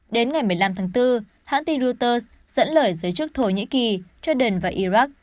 đến ngày một mươi năm tháng bốn hãng tin reuters dẫn lời giới chức thổ nhĩ kỳ joe biden và iraq